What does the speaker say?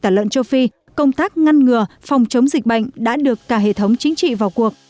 tả lợn châu phi công tác ngăn ngừa phòng chống dịch bệnh đã được cả hệ thống chính trị vào cuộc